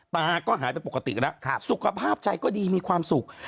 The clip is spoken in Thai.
ตาก็หายไปปกติแล้วสุขภาพใจก็ดีมีความสุข